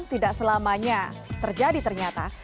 tidak selamanya terjadi ternyata